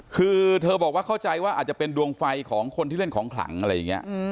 คือเธอบอกว่าเข้าใจว่าอาจจะเป็นดวงไฟของคนที่เล่นของขลังอะไรอย่างนี้